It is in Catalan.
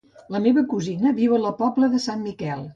La meva cosina viu a la Pobla de Sant Miquel.